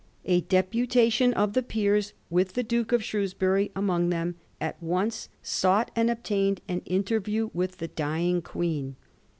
A deputation of the peers, with the Duke of Shrewsbury among them, at once sought and obtained an interview with the dying Queen.